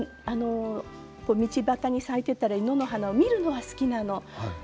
道端に咲いていたり野の花を見るのは好きなの。